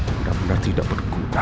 benar benar tidak berguna